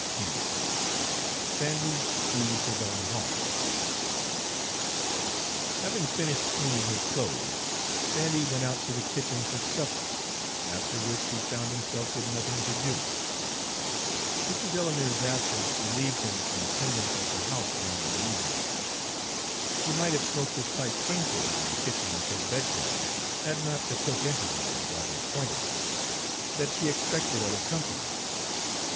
XVIII SANDY SEES HIS OWN HA'NT Having finished cleaning his clothes, Sandy went out to the kitchen for supper, after which he found himself with nothing to do. Mr. Delamere's absence relieved him from attendance at the house during the evening. He might have smoked his pipe tranquilly in the kitchen until bedtime, had not the cook intimated, rather pointedly, that she expected other company.